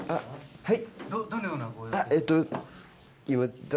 はい。